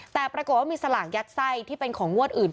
แต่ปรากฏว่ามีสลากยัดไส้ที่เป็นของงวดอื่น